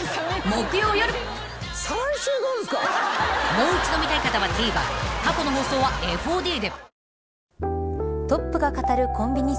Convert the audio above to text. ［もう一度見たい方はＴＶｅｒ過去の放送はＦＯＤで］